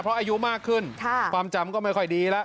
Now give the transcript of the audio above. เพราะอายุมากขึ้นความจำก็ไม่ค่อยดีแล้ว